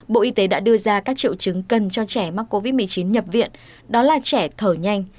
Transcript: bộ y tế đã đưa ra các triệu chứng cần cho trẻ mắc covid một mươi chín nhập viện đó là trẻ thở nhanh